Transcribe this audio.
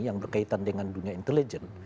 yang berkaitan dengan dunia intelijen